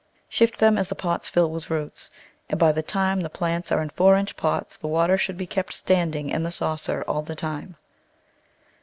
Shift them as the pots fill with roots, and by the time the plants are in four inch pots the water should be kept standing in the saucer all the time.